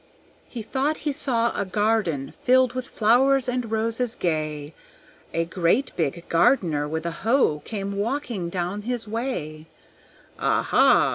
He thought he saw a garden filled with flowers and roses gay, A great big gardener with a hoe came walking down his way; "Ah, ha!"